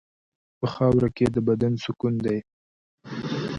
په خاوره کې د بدن سکون دی.